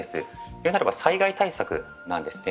いうならば災害対策なんですね。